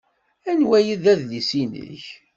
Anwa ay d adlis-nnek?